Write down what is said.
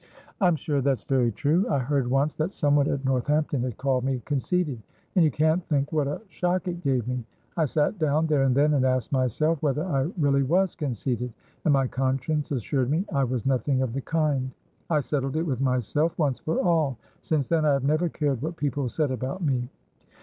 "I'm sure that's very true. I heard once that someone at Northampton had called me conceited, and you can't think what a shock it gave me. I sat down, there and then, and asked myself whether I really was conceited, and my conscience assured me I was nothing of the kind. I settled it with myself, once for all. Since then, I have never cared what people said about me."